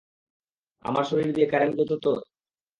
আমার শরীর দিয়ে কারেন্ট যেত যে?